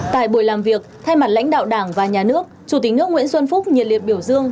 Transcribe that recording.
tại buổi làm việc thay mặt lãnh đạo đảng và nhà nước chủ tịch nước nguyễn xuân phúc nhiệt liệt biểu dương